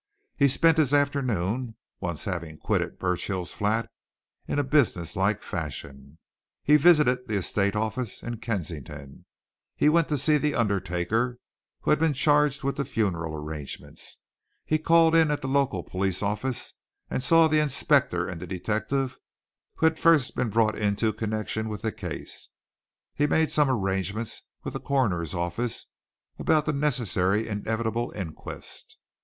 He spent his afternoon, once having quitted Burchill's flat, in a businesslike fashion. He visited the estate office in Kensington; he went to see the undertaker who had been charged with the funeral arrangements; he called in at the local police office and saw the inspector and the detective who had first been brought into connection with the case; he made some arrangements with the Coroner's officer about the necessary inevitable inquest.